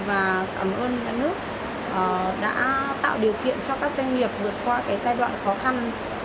và cảm ơn nhà nước đã tạo điều kiện cho các doanh nghiệp vượt qua cái giai đoạn khó khăn